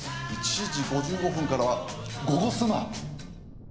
１時５５分からは「ゴゴスマ」！